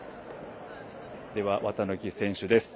では、綿貫選手です。